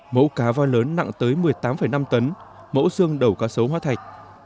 mẫu cá voi lớn nặng tới một mươi tám năm tấn mẫu xương đầu cá sấu hoa thạch